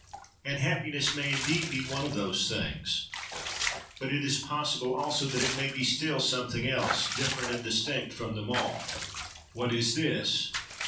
And Happiness may indeed be one of those things. But it is possible also that it may be still something else, different and distinct from them all. —What is this?